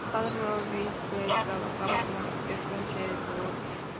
Su padre, Roy Whitbread Beard, trabajaba como arquitecto en Shrewsbury.